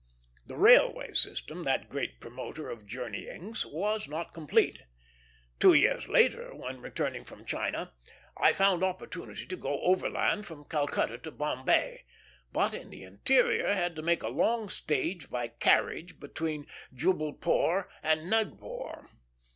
The railway system, that great promoter of journeyings, was not complete. Two years later, when returning from China, I found opportunity to go overland from Calcutta to Bombay; but in the interior had to make a long stage by carriage between Jubbulpore and Nagpore.